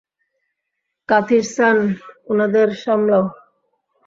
কাথির্সান, উনাদের সামলাও।